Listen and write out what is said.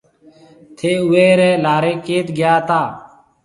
ٿَي اُوئي ريَ لاريَ ڪيٿ گيا هتا؟